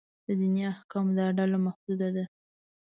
د دیني احکامو دا ډله محدود ده.